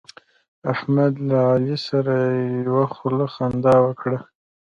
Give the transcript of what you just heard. احمد له علي سره یوه خوله خندا وکړه.